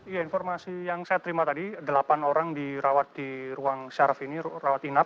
ya informasi yang saya terima tadi delapan orang dirawat di ruang syaraf ini rawat inap